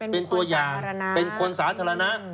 เป็นตัวอย่างเป็นคนสาธารณะ